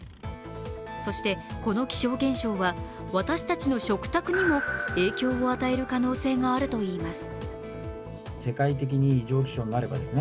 そしてこの気象現象は私たちの食卓にも影響を与える可能性があるといいます。